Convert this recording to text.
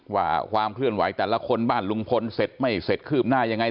ว่าความเคลื่อนไหวแต่ละคนบ้านลุงพลเสร็จไม่เสร็จคืบหน้ายังไง